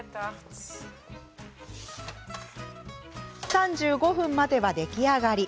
３５分待てば出来上がり。